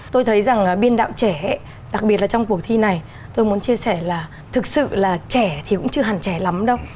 tôi thấy rằng biên đạo trẻ đặc biệt là trong cuộc thi này tôi muốn chia sẻ là thực sự là trẻ thì cũng chưa hẳn trẻ lắm đâu